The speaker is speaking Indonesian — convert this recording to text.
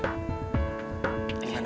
kita ke rumah sakit ya